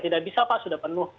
tidak bisa pak sudah penuh